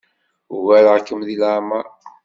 Ugareɣ-kem deg leɛmeṛ.